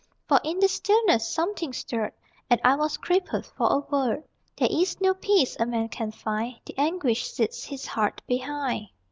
For in the stillness Something stirred, And I was crippled For a word. There is no peace A man can find; The anguish sits His heart behind.